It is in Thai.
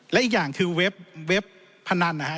และอีกอย่างคือเว็บพนันนะฮะ